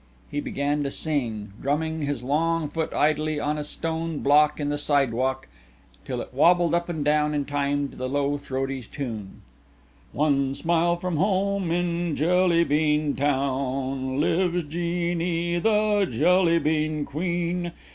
He began to sing, drumming his long foot idly on a stone block in the sidewalk till it wobbled up and down in time to the low throaty tune: "_One smile from Home in Jelly bean town, Lives Jeanne, the Jelly bean Queen.